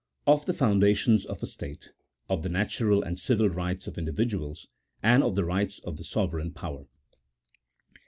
OF THE FOUNDATIONS OF A STATE ; OF THE NATURAL AND CIVIL RIGHTS OF INDIVIDUALS ; AND OF THE RIGHTS OF THE SOVEREIGN POWER.